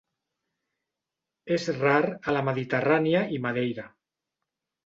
És rar a la Mediterrània i Madeira.